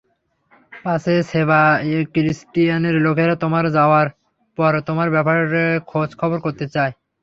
পাছে সেবাস্টিয়ানের লোকেরা তোমার যাওয়ার পর তোমার ব্যাপারে খোঁজখবর করতে চায়।